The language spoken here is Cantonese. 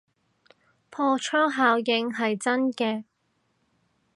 破窗效應係真嘅